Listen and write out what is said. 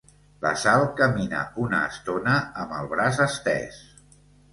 La Sal camina una estona amb el braç estès.